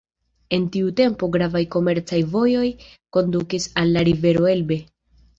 En tiu tempo gravaj komercaj vojoj kondukis al la rivero Elbe.